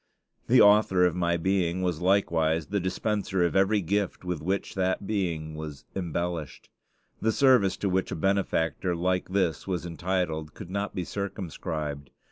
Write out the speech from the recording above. The Author of my being was likewise the dispenser of every gift with which that being was embellished. The service to which a benefactor like this was entitled could not be circumscribed.